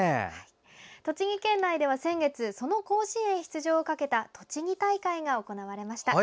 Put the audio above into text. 栃木県内では先月その甲子園出場をかけた栃木大会が行われました。